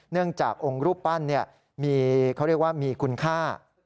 เนื่องจากองค์รูปปั้นเขาเรียกว่ามีคุณค่า